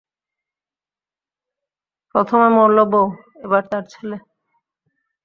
প্রথমে মরলো বউ, এবার তার ছেলে?